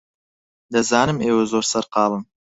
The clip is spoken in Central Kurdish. دەزانم ئێوە زۆر سەرقاڵن.